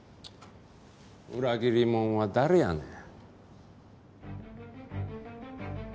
裏切りもんは誰やねん？